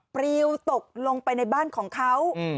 ปริวตกลงไปในบ้านของเขา